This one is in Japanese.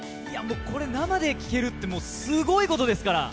これ、生で聴けるってすごいことですから！